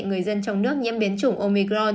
người dân trong nước nhiễm biến chủng omicron